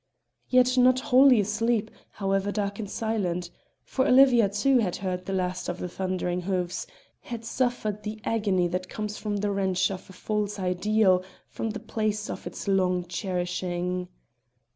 Yet not wholly asleep, however dark and silent; for Olivia, too, had heard the last of the thundering hoofs, had suffered the agony that comes from the wrench of a false ideal from the place of its long cherishing.